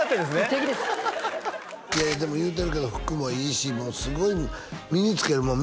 敵ですでも言うてるけど服もいいしすごい身につけるもん